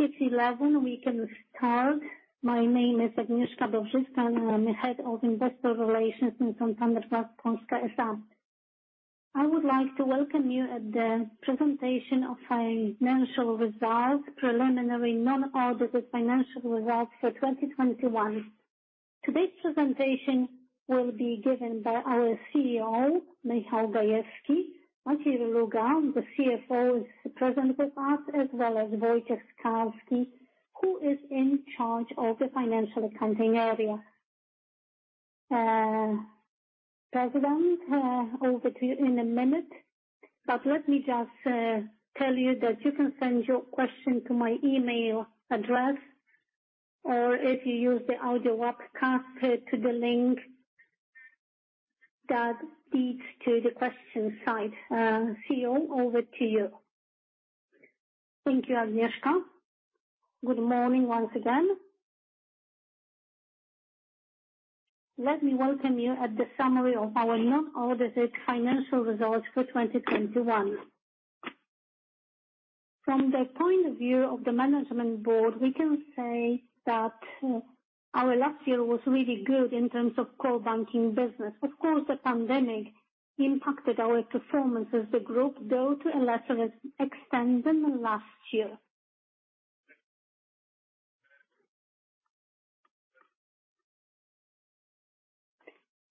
It's 11:00 A.M. we can start. My name is Agnieszka Dowzycka, and I'm the Head of Investor Relations in Santander Bank Polska S.A. I would like to welcome you at the presentation of financial results, preliminary non-audited financial results for 2021. Today's presentation will be given by our CEO, Michał Gajewski. Maciej Reluga, the CFO, is present with us, as well as Wojciech Skalski, who is in charge of the financial accounting area. President, over to you in a minute. Let me just tell you that you can send your question to my email address or if you use the audio webcast to the link that leads to the question site. CEO, over to you. Thank you, Agnieszka. Good morning once again. Let me welcome you at the summary of our non-audited financial results for 2021. From the point of view of the Management Board, we can say that our last year was really good in terms of core banking business. Of course, the pandemic impacted our performance as the group, though, to a lesser extent than the last year.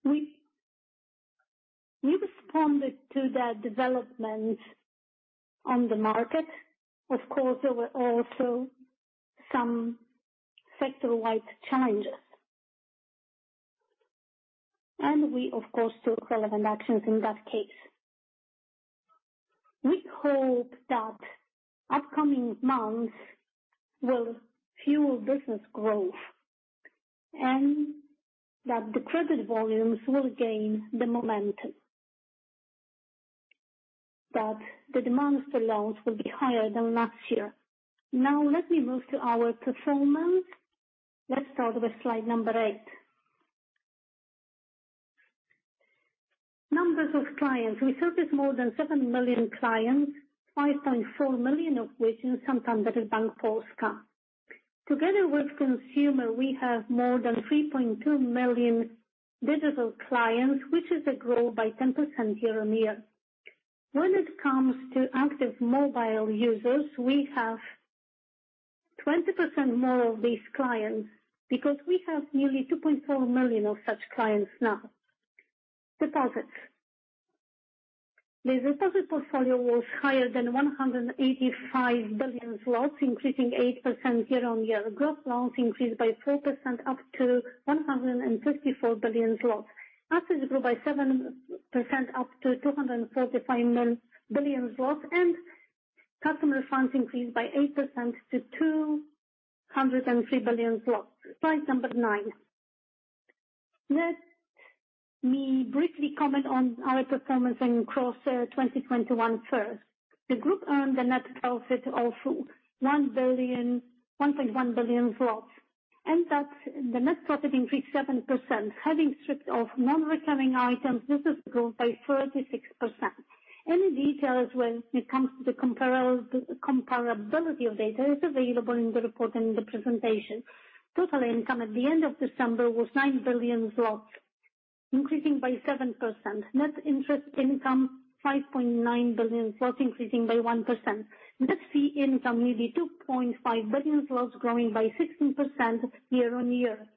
We responded to the development on the market. Of course, there were also some sector-wide challenges. We, of course, took relevant actions in that case. We hope that upcoming months will fuel business growth and that the credit volumes will gain the momentum and that the demands for loans will be higher than last year. Now let me move to our performance. Let's start with slide number eight. Numbers of clients. We service more than 7 million clients, 5.4 million of which in Santander Bank Polska. Together with Consumer, we have more than 3.2 million digital clients, which is a growth by 10% year-on-year. When it comes to active mobile users, we have 20% more of these clients because we have nearly 2.4 million of such clients now. Deposits. The deposit portfolio was higher than 185 billion zlotys, increasing 8% year-on-year. Gross loans increased by 4% up to 154 billion zlotys. Assets grew by 7% up to 245 billion zlotys, and customer funds increased by 8% to 203 billion zlotys. Slide nine. Let me briefly comment on our performance in 2021 first. The group earned a net profit of 1.1 billion, and that the net profit increased 7%. Having stripped off non-recurring items, this has grown by 36%. Any details when it comes to the comparability of data is available in the report and the presentation. Total income at the end of December was 9 billion zloty, increasing by 7%. Net interest income, 5.9 billion zloty, increasing by 1%. Net fee income, nearly 2.5 billion zloty, growing by 16% year-on-year.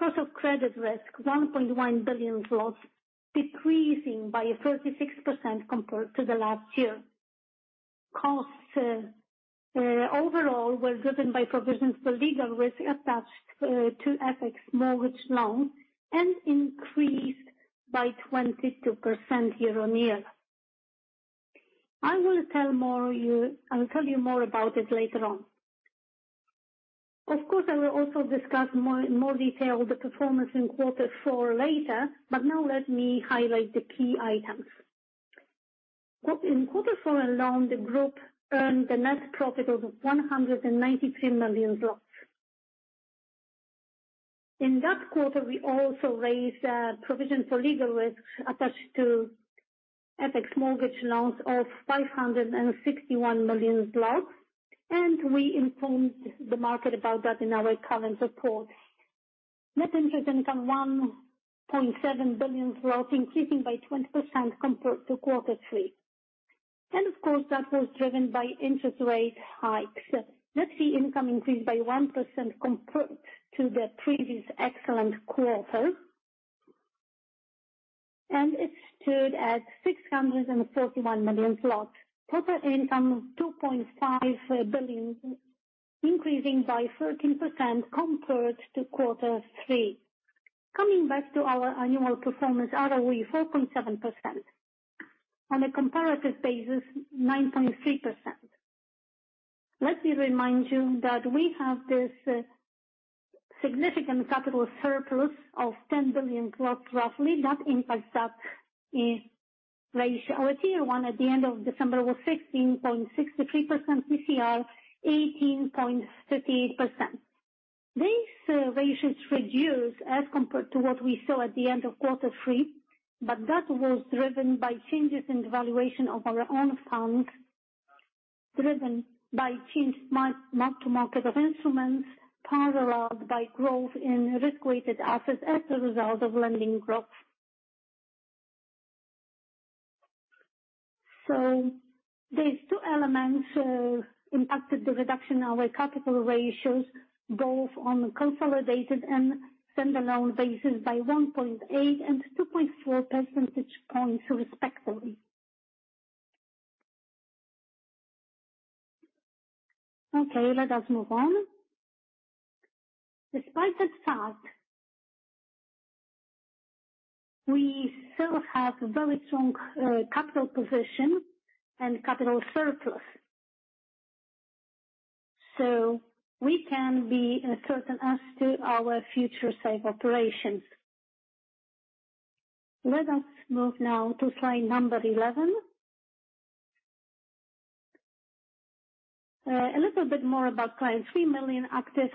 Cost of credit risk, 1.1 billion zloty, decreasing by 36% compared to the last year. Costs overall were driven by provisions for legal risk attached to FX mortgage loans and increased by 22% year-on-year. I'll tell you more about it later on. Of course, I will also discuss more detail the performance in quarter four later, but now let me highlight the key items. In quarter four alone, the group earned a net profit of 193 million. In that quarter, we also raised provision for legal risk attached to FX mortgage loans of 561 million, and we informed the market about that in our current report. Net interest income, 1.7 billion, increasing by 20% compared to quarter three. Of course, that was driven by interest rate hikes. Net fee income increased by 1% compared to the previous excellent quarter. It stood at 641 million zlotys. Total income, 2.5 billion, increasing by 13% compared to quarter three. Coming back to our annual performance, ROE 4.7%. On a comparative basis, 9.3%. Let me remind you that we have this significant capital surplus of 10 billion roughly. That impacts that ratio. At year-end, at the end of December was 16.63% PCR, 18.38%. These ratios reduced as compared to what we saw at the end of quarter three, but that was driven by changes in the valuation of our own funds, driven by change mark to market of instruments paralleled by growth in risk-weighted assets as a result of lending growth. These two elements impacted the reduction in our capital ratios both on a consolidated and standalone basis by 1.8 and 2.4 percentage points respectively. Okay, let us move on. Despite that fact, we still have very strong capital position and capital surplus, so we can be certain as to our future safe operations. Let us move now to slide number 11. A little bit more about clients. 3 million active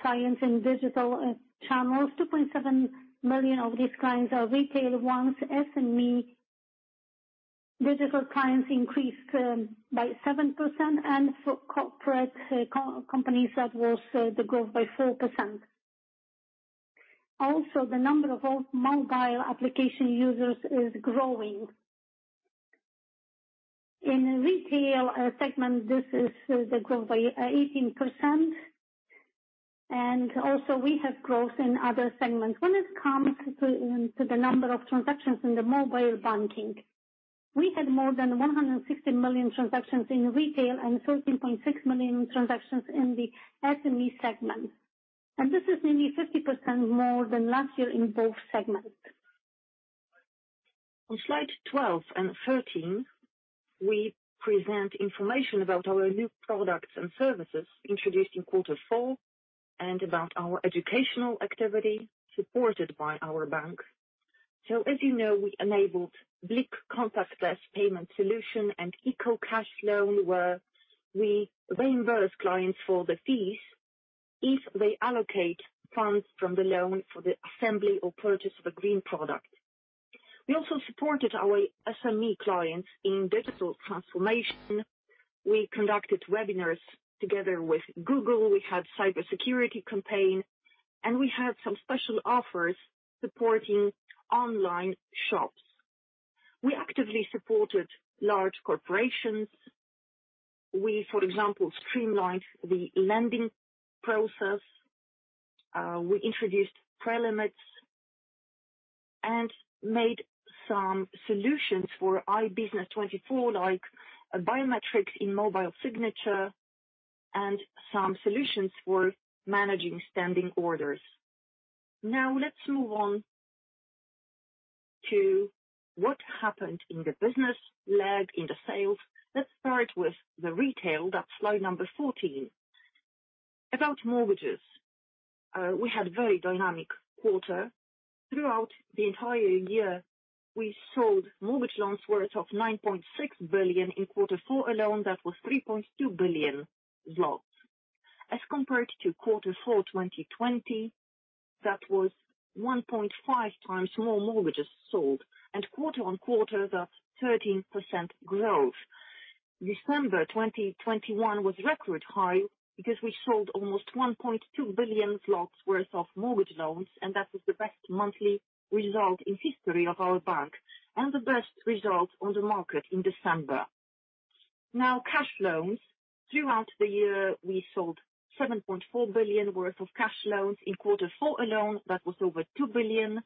clients in digital channels. 2.7 million of these clients are retail ones. SME digital clients increased by 7%, and for corporate companies that was the growth by 4%. The number of mobile application users is growing. In retail segment, this is the growth by 18%, and we have growth in other segments. When it comes to the number of transactions in the mobile banking, we had more than 160 million transactions in retail and 13.6 million transactions in the SME segment. This is nearly 50% more than last year in both segments. On slide 12 and 13, we present information about our new products and services introduced in quarter four and about our educational activity supported by our bank. As you know, we enabled BLIK contactless payment solution and ECO cash loan, where we reimburse clients for the fees if they allocate funds from the loan for the assembly or purchase of a green product. We also supported our SME clients in digital transformation. We conducted webinars together with Google. We had cybersecurity campaign, and we had some special offers supporting online shops. We actively supported large corporations. We, for example, streamlined the lending process. We introduced pre-limits and made some solutions for iBiznes24 like biometrics in mobile signature and some solutions for managing standing orders. Now, let's move on to what happened in the business leg, in the sales. Let's start with the retail. That's slide number 14. About mortgages, we had very dynamic quarter. Throughout the entire year, we sold mortgage loans worth of 9.6 billion. In quarter four alone, that was 3.2 billion zlotys. As compared to quarter four, 2020, that was 1.5 times more mortgages sold. Quarter-on-quarter, that's 13% growth. December 2021 was record high because we sold almost 1.2 billion zlotys worth of mortgage loans, and that was the best monthly result in history of our bank and the best result on the market in December. Now, cash loans. Throughout the year, we sold 7.4 billion worth of cash loans. In quarter four alone, that was over 2 billion,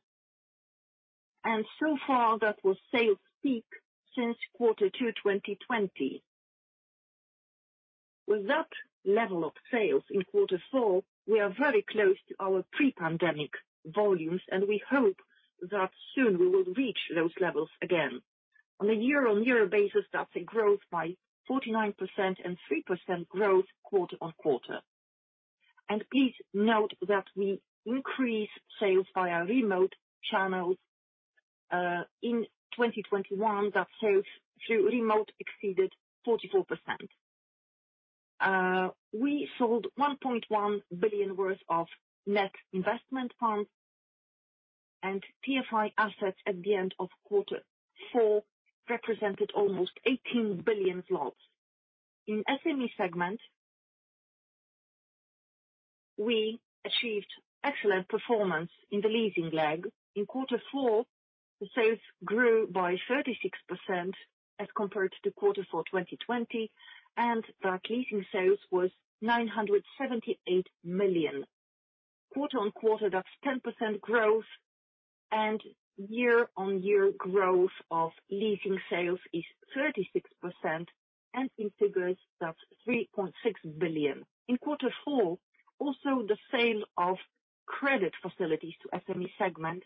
and so far that was sales peak since quarter two, 2020. With that level of sales in quarter four, we are very close to our pre-pandemic volumes, and we hope that soon we will reach those levels again. On a year-on-year basis, that's a growth by 49% and 3% growth quarter-on-quarter. Please note that we increased sales via remote channels in 2021. That sales through remote exceeded 44%. We sold 1.1 billion worth of net investment funds, and TFI assets at the end of Q4 represented almost 18 billion zlotys. In SME segment, we achieved excellent performance in the leasing leg. In Q4, the sales grew by 36% as compared to Q4 2020, and that leasing sales was 978 million. Quarter-on-quarter, that's 10% growth and year-on-year growth of leasing sales is 36% and in figures that's 3.6 billion. In Q4, also the sale of credit facilities to SME segment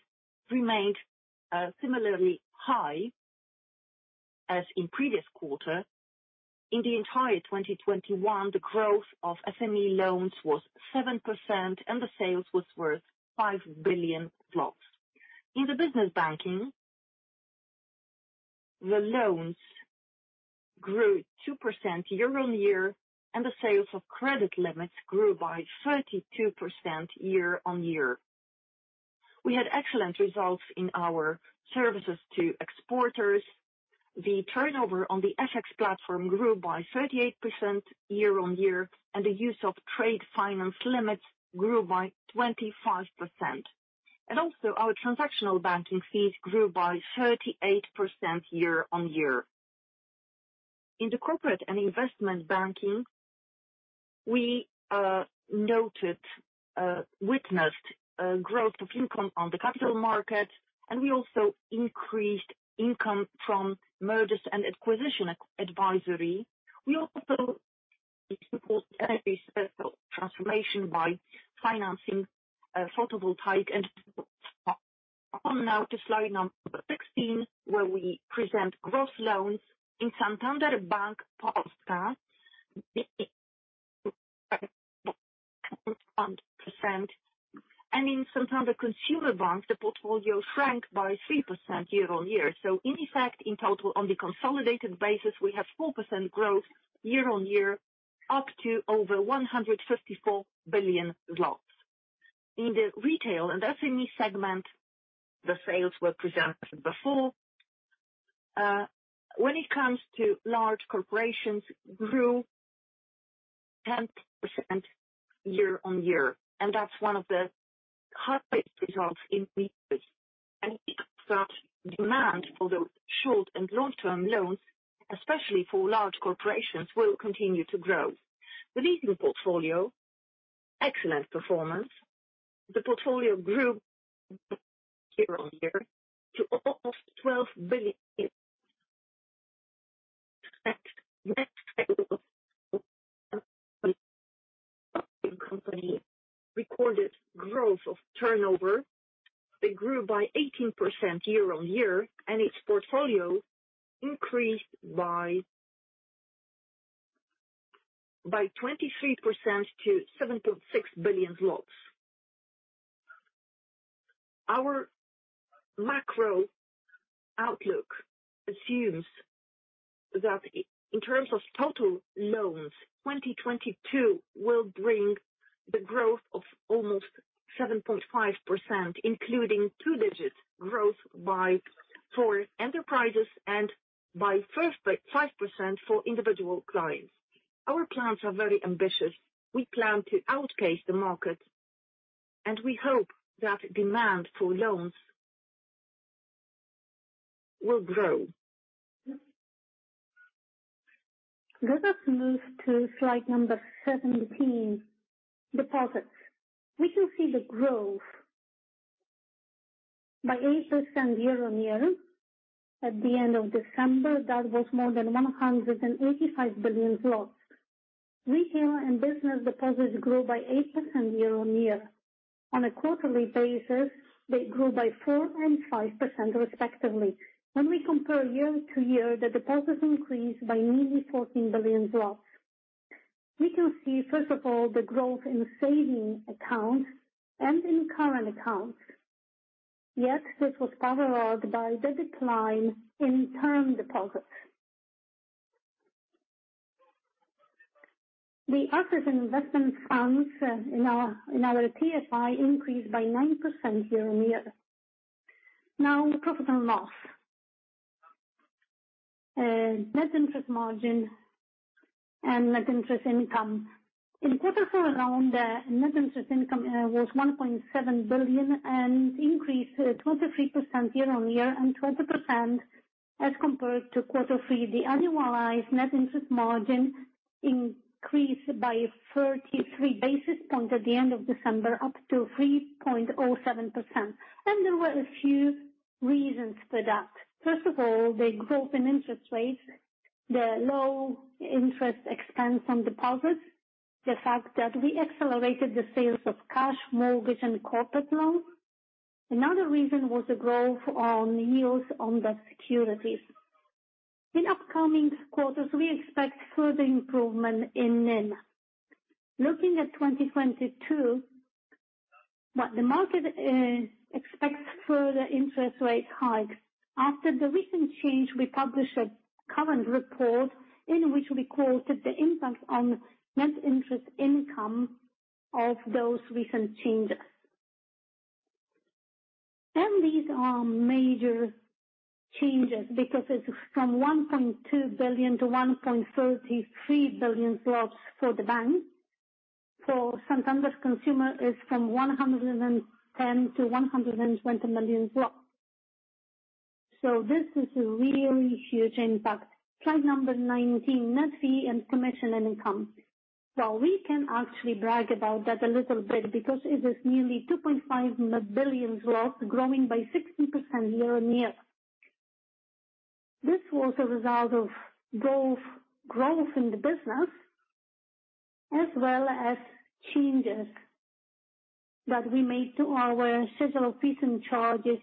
remained similarly high as in previous quarter. In the entire 2021, the growth of SME loans was 7% and the sales was worth 5 billion. In the Business Banking, the loans grew 2% year-on-year, and the sales of credit limits grew by 32% year-on-year. We had excellent results in our services to exporters. The turnover on the FX platform grew by 38% year-on-year, and the use of trade finance limits grew by 25%. Also, our transactional banking fees grew by 38% year-on-year. In the Corporate and Investment Banking, we witnessed growth of income on the capital markets, and we also increased income from mergers and acquisitions advisory. We also energy sector transformation by financing photovoltaic and. On now to slide number 16, where we present gross loans in Santander Bank Polska and in Santander Consumer Bank. The portfolio shrank by 3% year-on-year. In effect, in total, on the consolidated basis, we have 4% growth year-on-year up to over 154 billion zlotys. In the retail and SME segment, the sales were presented before. When it comes to large corporations, it grew 10% year-on-year, and that's one of the highest results, and demand for those short- and long-term loans, especially for large corporations, will continue to grow. The leasing portfolio, excellent performance. The portfolio grew year-on-year to almost PLN 12 billion. Company recorded growth of turnover. It grew by 18% year-on-year, and its portfolio increased by 23% to PLN 7.6 billion. Our macro outlook assumes that in terms of total loans, 2022 will bring the growth of almost 7.5%, including two-digit growth for enterprises and by 15% for individual clients. Our plans are very ambitious. We plan to outpace the market, and we hope that demand for loans will grow. Let us move to slide number 17, deposits. We can see the growth by 8% year-on-year. At the end of December, that was more than 185 billion. Retail and business deposits grew by 8% year-on-year. On a quarterly basis, they grew by 4% and 5% respectively. When we compare year-to-year, the deposits increased by nearly 14 billion. We can see, first of all, the growth in savings accounts and in current accounts. Yet this was followed by the decline in term deposits. The other investment funds in our TFI increased by 9% year-over-year. Now, profit and loss. Net interest margin and net interest income. In quarter four alone, the net interest income was 1.7 billion and increased 23% year-over-year and 20% as compared to quarter three. The annualized net interest margin increased by 33 basis points at the end of December, up to 3.07%. There were a few reasons for that. First of all, the growth in interest rates, the low interest expense on deposits, the fact that we accelerated the sales of cash mortgage and corporate loans. Another reason was the growth on yields on the securities. In upcoming quarters, we expect further improvement in NIM. Looking at 2022, what the market expects further interest rate hikes. After the recent change, we published a current report in which we quoted the impact on net interest income of those recent changes. These are major changes because it's from 1.2 billion to 1.33 billion zlotys for the bank. For Santander Consumer is from 110 million to 120 million zlotys. This is a really huge impact. Slide number 19, net fee and commission income. We can actually brag about that a little bit because it is nearly 2.5 billion growing by 60% year on year. This was a result of growth in the business as well as changes that we made to our schedule fees and charges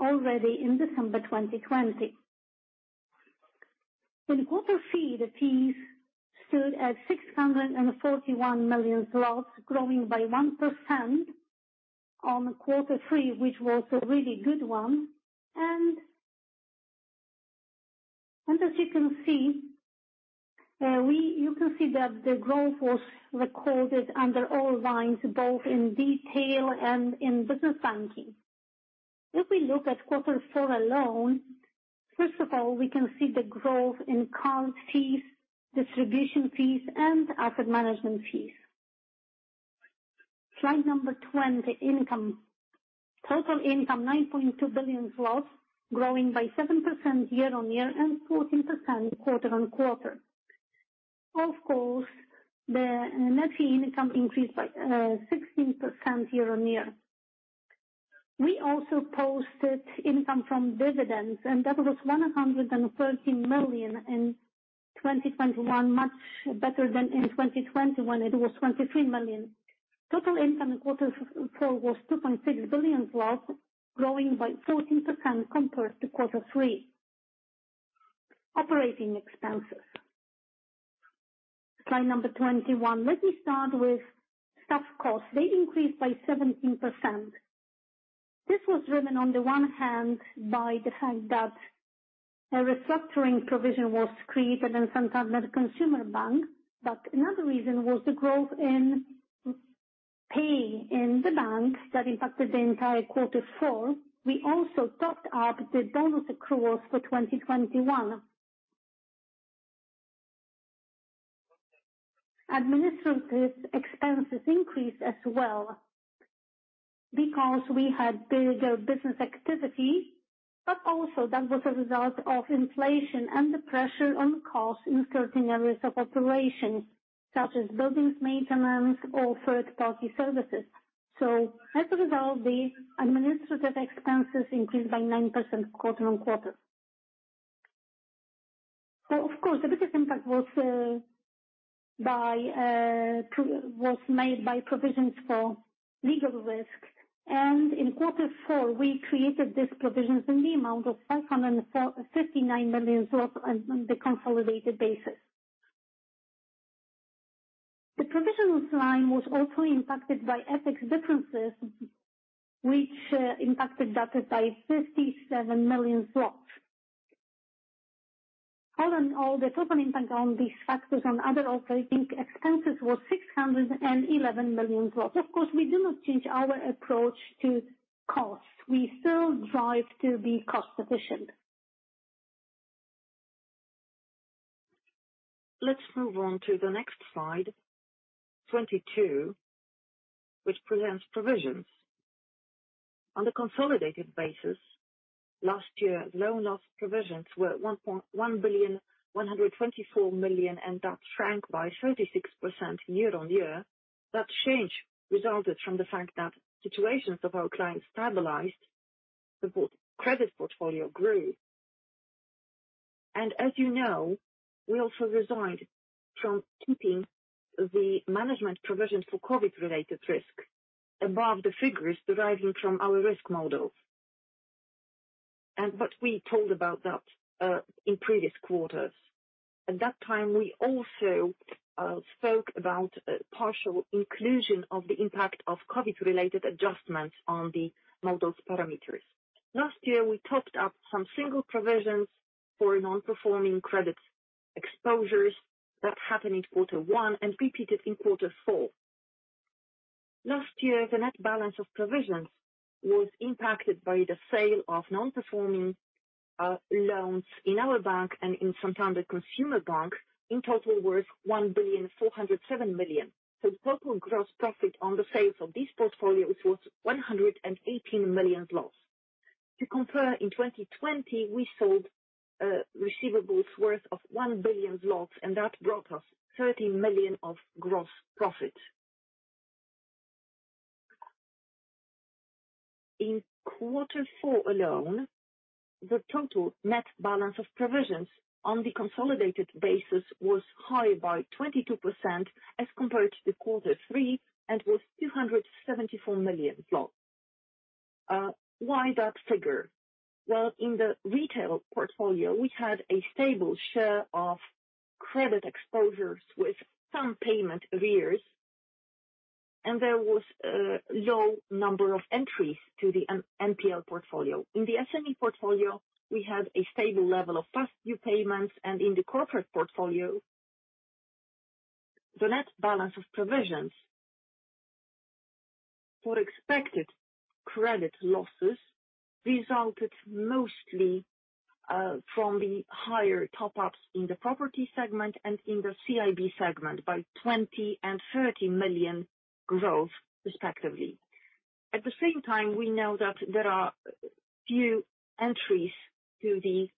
already in December 2020. In quarter three, the fees stood at 641 million zlotys, growing by 1% quarter-on-quarter, which was a really good one. You can see that the growth was recorded under all lines, both in retail and in business banking. If we look at quarter four alone, first of all, we can see the growth in card fees, distribution fees and asset management fees. Slide number 20, income. Total income 9.2 billion zlotys, growing by 7% year-on-year and 14% quarter-on-quarter. Of course, the net fee income increased by 16% year-on-year. We also posted income from dividends and that was 113 million in 2021, much better than in 2020 when it was 23 million. Total income in quarter four was 2.6 billion growing by 14% compared to quarter three. Operating expenses. Slide number 21. Let me start with staff costs. They increased by 17%. This was driven on the one hand by the fact that a restructuring provision was created in Santander Consumer Bank. Another reason was the growth in pay in the bank that impacted the entire quarter four. We also topped up the bonus accruals for 2021. Administrative expenses increased as well because we had bigger business activity, but also that was a result of inflation and the pressure on costs in certain areas of operation, such as buildings maintenance or third-party services. As a result, the administrative expenses increased by 9% quarter-on-quarter. Of course the biggest impact was made by provisions for legal risk. In quarter four we created these provisions in the amount of PLN 459 million on the consolidated basis. The provisions line was also impacted by FX differences which impacted that by 57 million. All in all, the total impact of these factors on other operating expenses was PLN 611 million. Of course, we do not change our approach to costs. We still strive to be cost efficient. Let's move on to the next slide, 22, which presents provisions. On the consolidated basis, last year loan loss provisions were 1.124 billion and that shrank by 36% year-on-year. That change resulted from the fact that situations of our clients stabilized. The credit portfolio grew. As you know, we also resigned from keeping the management provision for COVID-related risk above the figures deriving from our risk models. We told about that in previous quarters. At that time, we also spoke about partial inclusion of the impact of COVID-related adjustments on the models parameters. Last year we topped up some single provisions for non-performing credit exposures that happened in quarter one and repeated in quarter four. Last year, the net balance of provisions was impacted by the sale of non-performing loans in our bank and in Santander Consumer Bank, in total worth 1.407 billion. Total gross profit on the sales of this portfolio was 118 million. To compare, in 2020 we sold receivables worth of 1 billion and that brought us 30 million of gross profit. In quarter four alone, the total net balance of provisions on the consolidated basis was higher by 22% as compared to the quarter three, and was 274 million. Why that figure? Well, in the retail portfolio we had a stable share of credit exposures with some payment arrears and there was a low number of entries to the NPL portfolio. In the SME portfolio, we had a stable level of first view payments. In the corporate portfolio, the net balance of provisions for expected credit losses resulted mostly from the higher top ups in the property segment and in the CIB segment by 20 million and 30 million growth respectively. At the same time, we know that there are few entries to the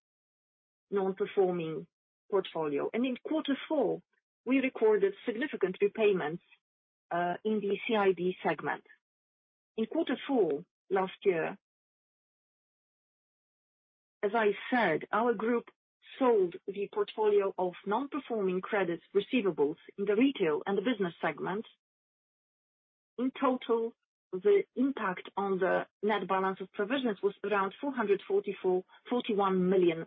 non-performing portfolio, and in quarter four we recorded significant repayments in the CIB segment. In quarter four last year, as I said, our group sold the portfolio of non-performing credits receivables in the retail and the business segments. In total, the impact on the net balance of provisions was around 41 million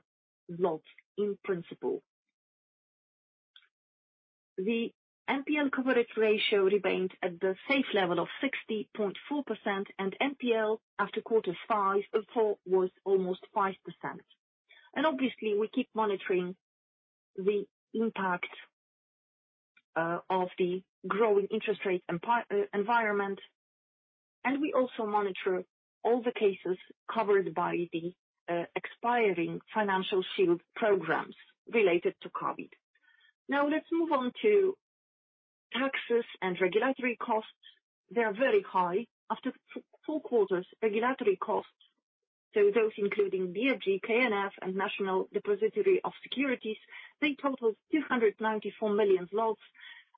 in principle. The NPL coverage ratio remained at the safe level of 60.4%, and NPL after quarter four was almost 5%. Obviously, we keep monitoring the impact of the growing interest rate environment, and we also monitor all the cases covered by the expiring financial shield programs related to COVID. Now let's move on to taxes and regulatory costs. They are very high. After four quarters, regulatory costs, so those including BFG, KNF, and National Depository for Securities, they totaled 294 million.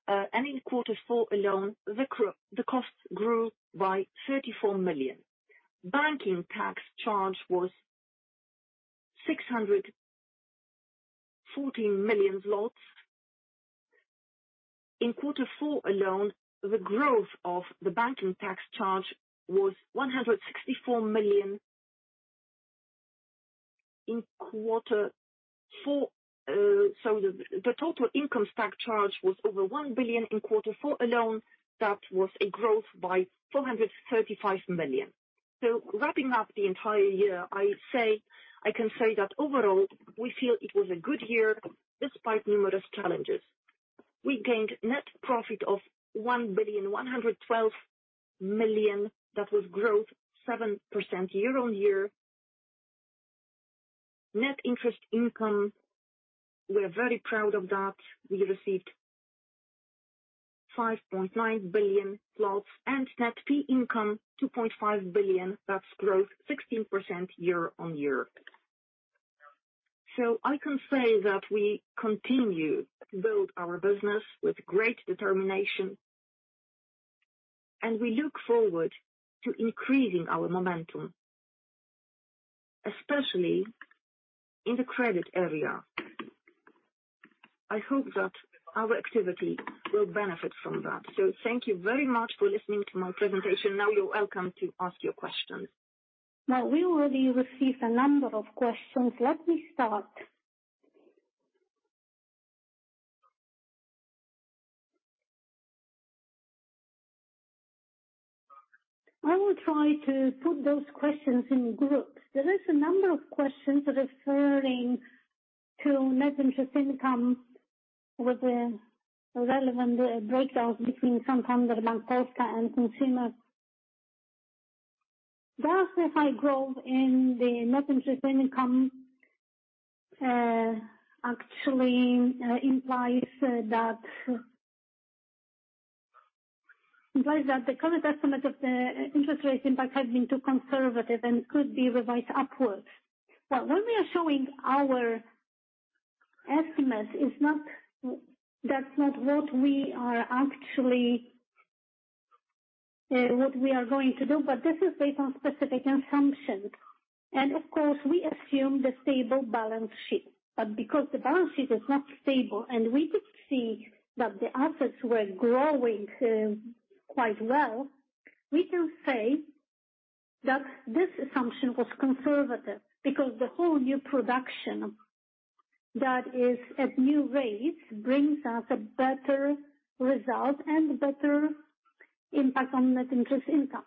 In quarter four alone, the costs grew by 34 million. Banking tax charge was 614 million. In quarter four alone, the growth of the banking tax charge was 164 million. In quarter four, the total income tax charge was over 1 billion in quarter four alone. That was a growth by 435 million. Wrapping up the entire year, I say, I can say that overall, we feel it was a good year despite numerous challenges. We gained net profit of 1,112 million. That was growth 7% year-on-year. Net interest income, we are very proud of that. We received 5.9 billion. Net fee income, 2.5 billion. That's growth 16% year-on-year. I can say that we continue to build our business with great determination, and we look forward to increasing our momentum, especially in the credit area. I hope that our activity will benefit from that. Thank you very much for listening to my presentation. Now you're welcome to ask your questions. Now, we already received a number of questions. Let me start. I will try to put those questions in groups. There is a number of questions referring to net interest income with the relevant breakdowns between Santander Bank Polska and Consumer. Does the high growth in the net interest income actually implies that the current estimate of the interest rate impact has been too conservative and could be revised upwards? When we are showing our estimates is not. That's not what we are actually what we are going to do, but this is based on specific assumptions. Of course, we assume the stable balance sheet. Because the balance sheet is not stable and we could see that the assets were growing quite well, we can say that this assumption was conservative because the whole new production that is at new rates brings us a better result and better impact on net interest income.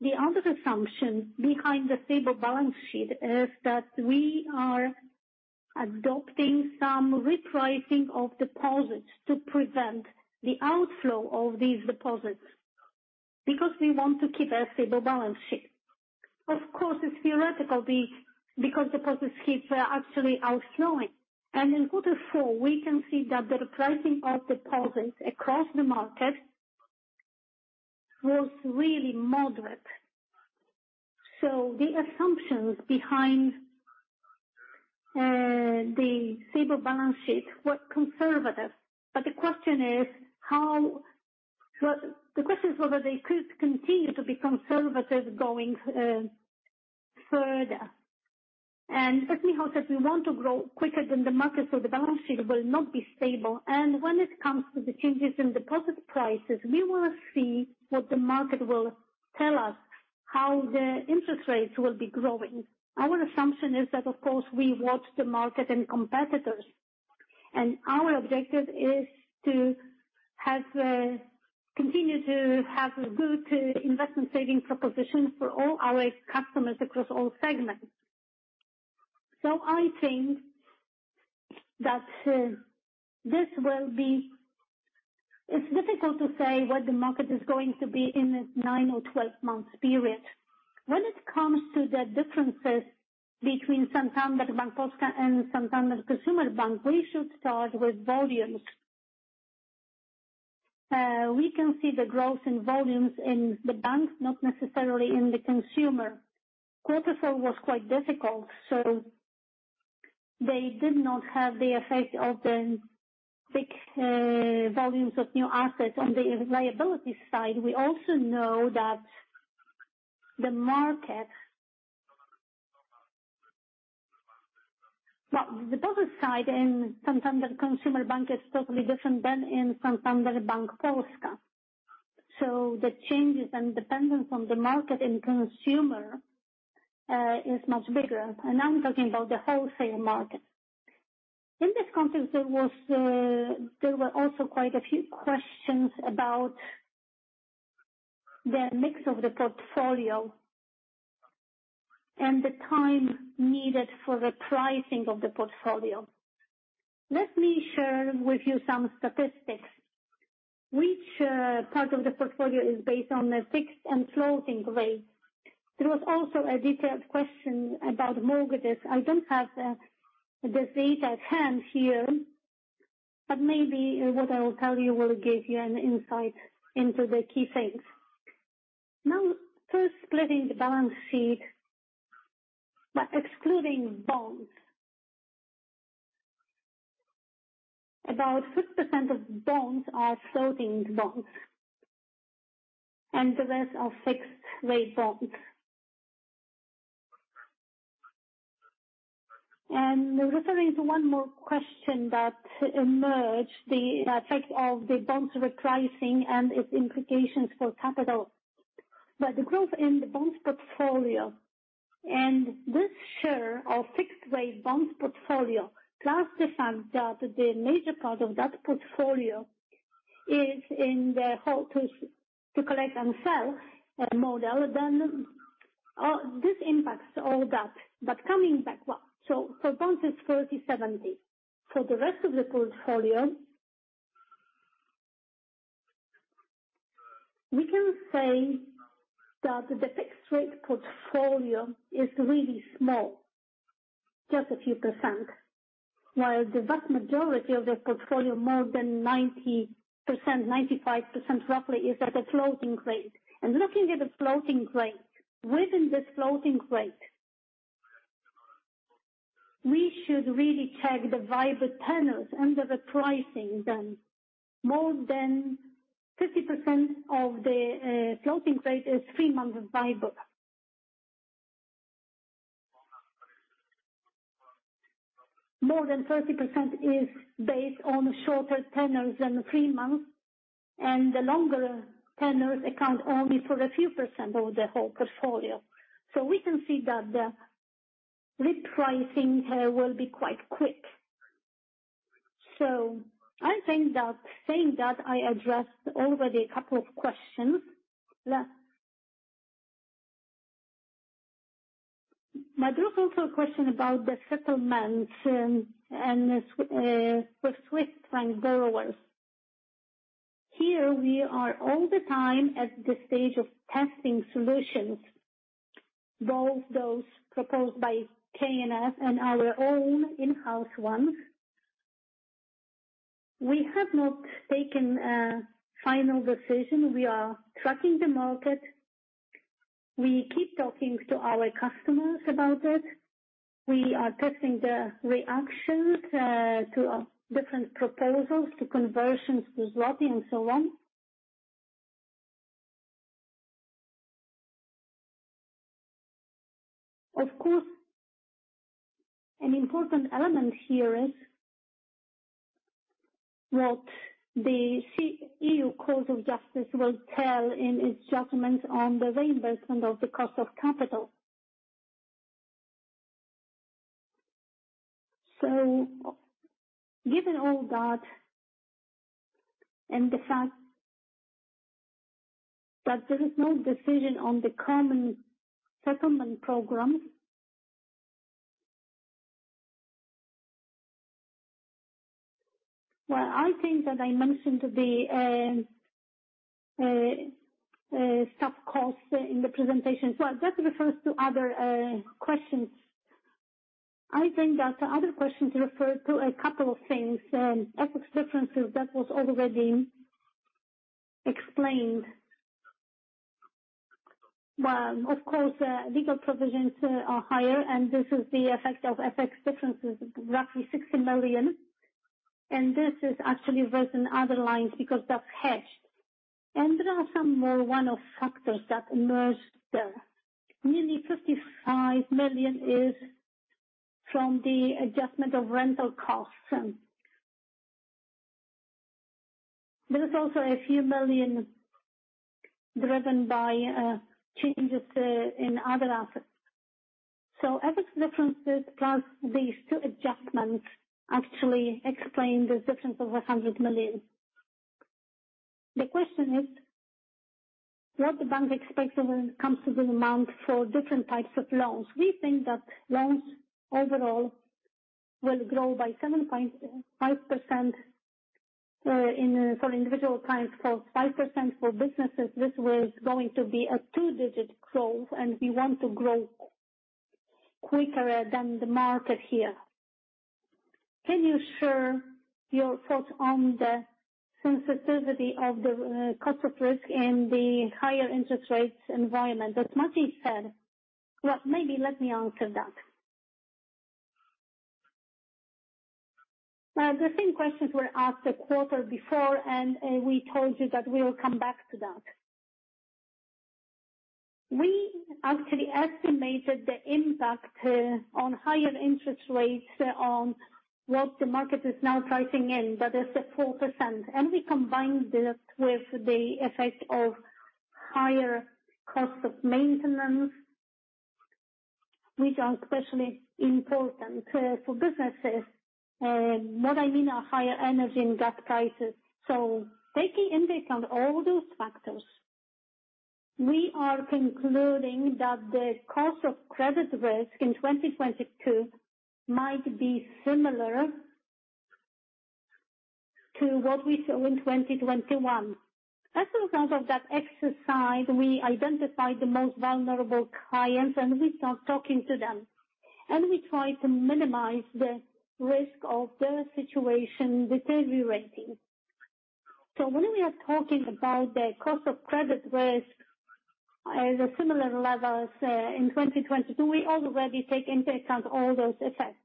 The other assumption behind the stable balance sheet is that we are adopting some repricing of deposits to prevent the outflow of these deposits because we want to keep a stable balance sheet. Of course, it's theoretical because deposits keeps actually outflowing. In quarter four, we can see that the repricing of deposits across the market was really moderate. The assumptions behind the stable balance sheet were conservative. The question is whether they could continue to be conservative going further. As Michał said, we want to grow quicker than the market, so the balance sheet will not be stable. When it comes to the changes in deposit prices, we will see what the market will tell us, how the interest rates will be growing. Our assumption is that, of course, we watch the market and competitors. Our objective is to continue to have a good investment saving proposition for all our customers across all segments. I think that it's difficult to say what the market is going to be in a nine or 12 months period. When it comes to the differences between Santander Bank Polska and Santander Consumer Bank, we should start with volumes. We can see the growth in volumes in the bank, not necessarily in the consumer. Quarter four was quite difficult, so they did not have the effect of the big volumes of new assets. On the liability side, we also know that the market. Well, the deposit side in Santander Consumer Bank is totally different than in Santander Bank Polska. The changes and dependence on the market and consumer is much bigger. I'm talking about the wholesale market. In this context, there were also quite a few questions about the mix of the portfolio and the time needed for the pricing of the portfolio. Let me share with you some statistics. Which part of the portfolio is based on the fixed and floating rate? There was also a detailed question about mortgages. I don't have the data at hand here, but maybe what I will tell you will give you an insight into the key things. Now, first splitting the balance sheet by excluding bonds. About 50% of bonds are floating bonds, and the rest are fixed rate bonds. There was also one more question that emerged, the effect of the bonds repricing and its implications for capital. The growth in the bonds portfolio and this share of fixed rate bonds portfolio, plus the fact that the major part of that portfolio is in the hold to collect and sell model, this impacts all that. Coming back. For bonds is 30/70. For the rest of the portfolio we can say that the fixed rate portfolio is really small, just a few percent. While the vast majority of the portfolio, more than 90%, 95% roughly, is at a floating rate. Looking at the floating rate, within this floating rate, we should really check the various tenors underlying the pricing. More than 50% of the floating rate is three-month WIBOR. More than 30% is based on shorter tenors than three months. The longer tenors account only for a few percent of the whole portfolio. We can see that the repricing here will be quite quick. I think that saying that I addressed already a couple of questions. Madrus also a question about the settlements and with Swiss franc borrowers. Here we are all the time at the stage of testing solutions, both those proposed by KNF and our own in-house ones. We have not taken a final decision. We are tracking the market. We keep talking to our customers about it. We are testing the reactions to different proposals to conversions to zloty and so on. Of course, an important element here is what the Court of Justice of the European Union will tell in its judgment on the reimbursement of the cost of capital. Given all that, and the fact that there is no decision on the common settlement program. Well, I think that I mentioned the staff costs in the presentation. Well, that refers to other questions. I think that other questions refer to a couple of things. FX differences that was already explained. Of course, legal provisions are higher, and this is the effect of FX differences, roughly 60 million. This is actually raised in other lines because that's hedged. There are some more one-off factors that emerged there. Nearly 55 million is from the adjustment of rental costs. There is also a few million driven by changes in other assets. FX differences plus these two adjustments actually explain this difference of 100 million. The question is what the bank expects when it comes to the amount for different types of loans. We think that loans overall will grow by 7.5% for individual clients. For 5% for businesses. This was going to be a two-digit growth and we want to grow quicker than the market here. Can you share your thoughts on the sensitivity of the cost of risk in the higher interest rates environment, as Maciej said? Well, maybe let me answer that. The same questions were asked a quarter before, and we told you that we will come back to that. We actually estimated the impact on higher interest rates on what the market is now pricing in. It's at 4%. We combined this with the effect of higher costs of maintenance, which are especially important for businesses. What I mean are higher energy and gas prices. Taking into account all those factors, we are concluding that the cost of credit risk in 2022 might be similar to what we saw in 2021. As a result of that exercise, we identified the most vulnerable clients, and we start talking to them. We try to minimize the risk of their situation deteriorating. When we are talking about the cost of credit risk at the similar levels in 2022, we already take into account all those effects.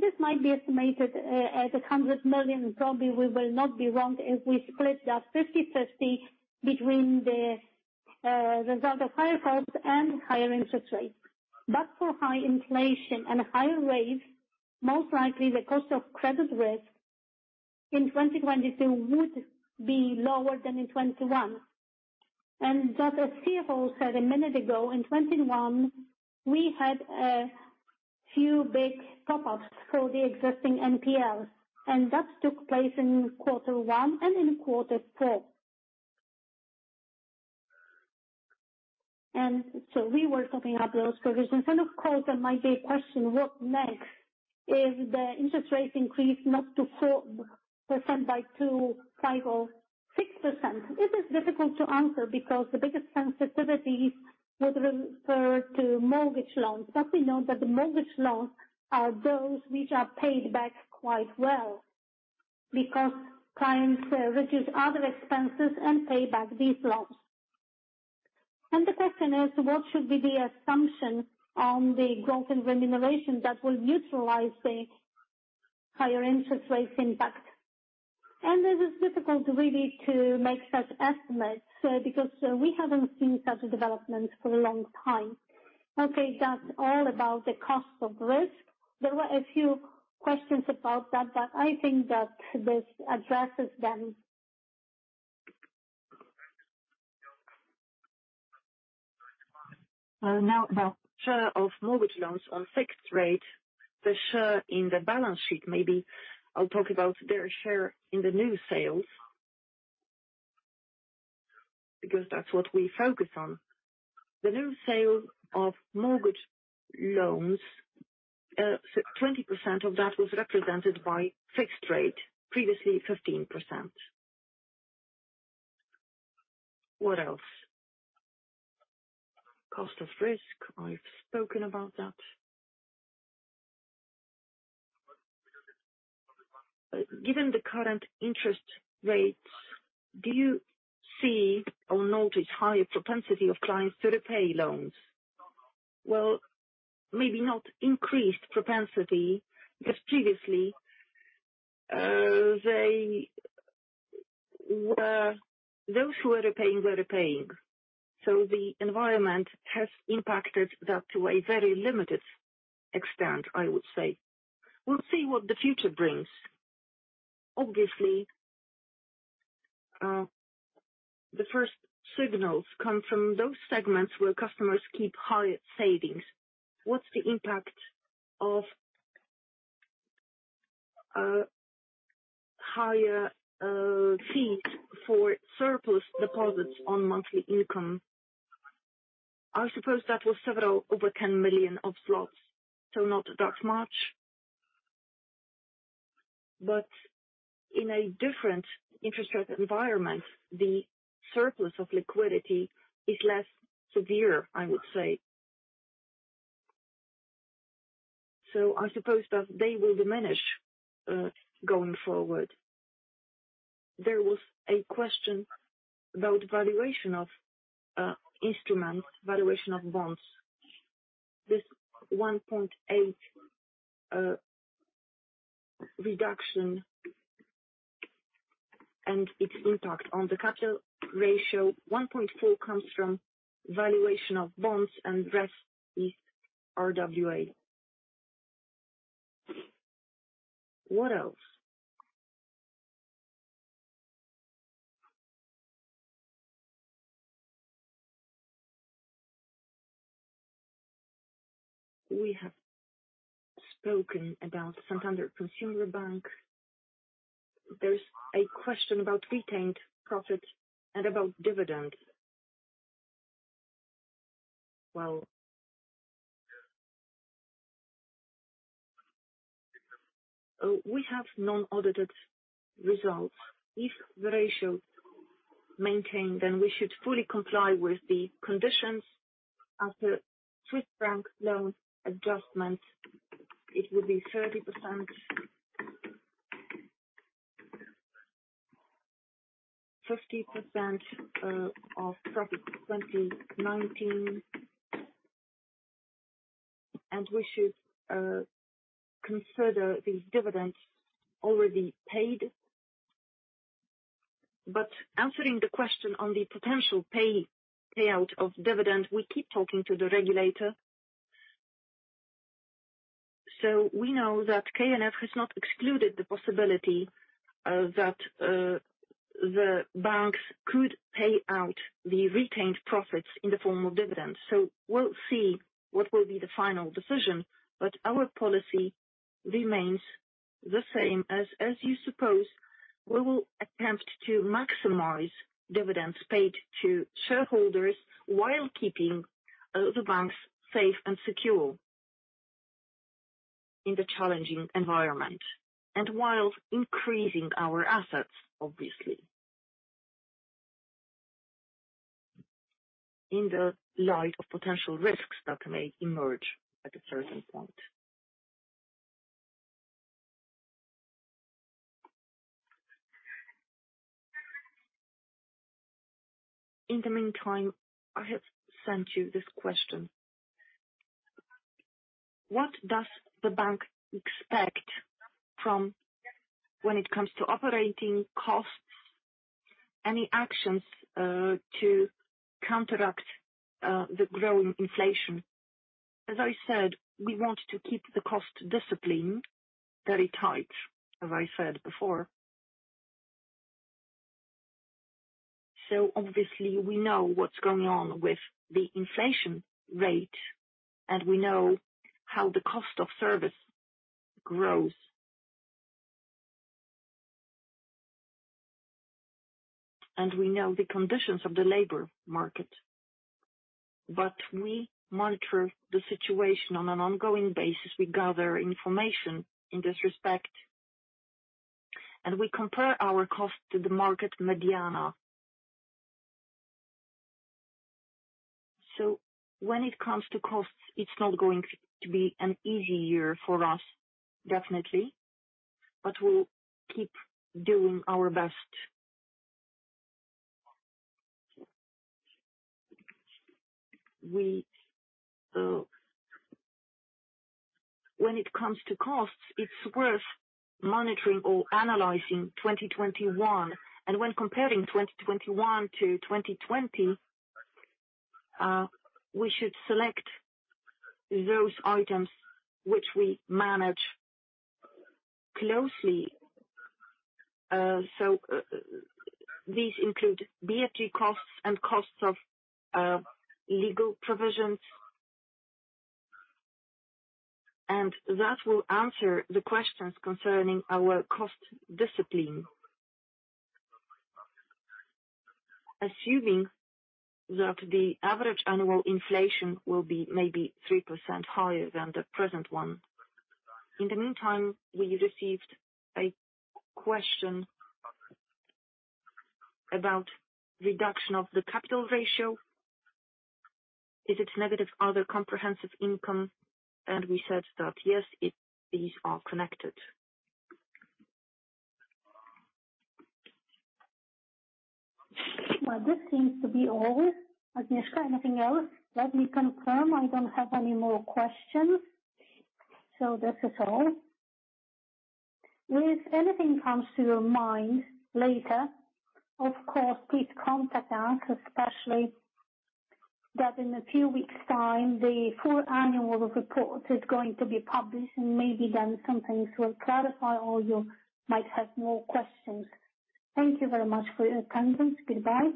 This might be estimated at 100 million. Probably we will not be wrong if we split that 50/50 between the result of higher costs and higher interest rates. For high inflation and higher rates, most likely the cost of credit risk in 2022 would be lower than in 2021. That as CFO said a minute ago, in 2021, we had a few big top ups for the existing NPL. That took place in quarter one and in quarter four. We were topping up those provisions. Of course, there might be a question, what next? If the interest rates increase not to 4% but 2%, 5% or 6%. It is difficult to answer because the biggest sensitivity would refer to mortgage loans. We know that the mortgage loans are those which are paid back quite well because clients reduce other expenses and pay back these loans. The question is, what should be the assumption on the growth in remuneration that will neutralize the higher interest rates impact? This is difficult really to make such estimates because we haven't seen such a development for a long time. Okay, that's all about the cost of risk. There were a few questions about that, but I think that this addresses them. Now, share of mortgage loans on fixed rate. The share in the balance sheet. Maybe I'll talk about their share in the new sales because that's what we focus on. The new sales of mortgage loans, 20% of that was represented by fixed rate, previously 15%. What else? Cost of risk. I've spoken about that. Given the current interest rates, do you see or notice higher propensity of clients to repay loans? Well, maybe not increased propensity because previously, they were... Those who were repaying were repaying. The environment has impacted that to a very limited extent, I would say. We'll see what the future brings. Obviously, the first signals come from those segments where customers keep higher savings. What's the impact of higher fees for surplus deposits on monthly income? I suppose that was several, over 10 million. Not that much. In a different interest rate environment, the surplus of liquidity is less severe, I would say. I suppose that they will diminish going forward. There was a question about valuation of instruments, valuation of bonds. This 1.8 reduction and its impact on the capital ratio. 1.4 comes from valuation of bonds and rest is RWA. What else? We have spoken about Santander Consumer Bank. There's a question about retained profit and about dividends. Well, we have non-audited results. If the ratio maintain, then we should fully comply with the conditions after Swiss Bank loan adjustments. It will be 30%. 50% of profit 2019 and we should consider these dividends already paid. Answering the question on the potential payout of dividend, we keep talking to the regulator. We know that KNF has not excluded the possibility that the banks could pay out the retained profits in the form of dividends. We'll see what will be the final decision. Our policy remains the same as you suppose, we will attempt to maximize dividends paid to shareholders while keeping the banks safe and secure in the challenging environment whilst increasing our assets, obviously, in the light of potential risks that may emerge at a certain point. In the meantime, I have sent you this question. What does the bank expect from when it comes to operating costs? Any actions to counteract the growing inflation? As I said, we want to keep the cost discipline very tight, as I said before. Obviously we know what's going on with the inflation rate, and we know how the cost of service grows. We know the conditions of the labor market. We monitor the situation on an ongoing basis. We gather information in this respect, and we compare our costs to the market median. When it comes to costs, it's not going to be an easy year for us, definitely. We'll keep doing our best. When it comes to costs, it's worth monitoring or analyzing 2021. When comparing 2021 to 2020, we should select those items which we manage closely. These include BFG costs and costs of legal provisions. That will answer the questions concerning our cost discipline. Assuming that the average annual inflation will be maybe 3% higher than the present one. In the meantime, we received a question about reduction of the capital ratio. Is it negative other comprehensive income? We said that, yes, it, these are connected. Well, this seems to be all. Agnieszka, anything else? Let me confirm. I don't have any more questions. This is all. If anything comes to your mind later, of course, please contact us, especially that in a few weeks time, the full annual report is going to be published and maybe then some things will clarify, or you might have more questions. Thank you very much for your attendance. Goodbye.